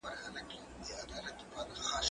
زه اوږده وخت پلان جوړوم وم،